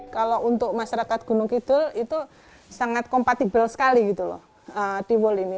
kalau untuk masyarakat gunung kidul itu sangat kompatibel sekali gitu loh tiwul ini